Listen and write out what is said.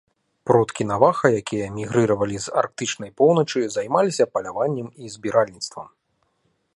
Продкі наваха, якія мігрыравалі з арктычнай поўначы, займаліся паляваннем і збіральніцтвам.